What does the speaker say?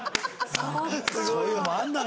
そういうのもあるんだね。